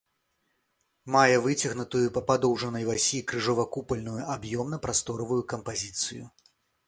Мае выцягнутую па падоўжнай восі крыжова-купальную аб'ёмна-прасторавую кампазіцыю.